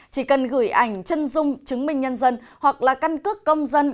chỉ cần gửi ảnh chân dung chứng minh nhân dân hoặc là căn cước công dân